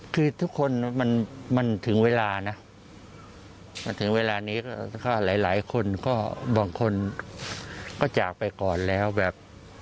คือทุกคนมันถึงเวลานะมาถึงเวลานี้ก็ถ้าหลายคนก็บางคนก็จากไปก่อนแล้วแบบ